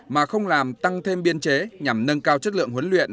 mà không làm tăng thêm biên chế nhằm nâng cao chất lượng huấn luyện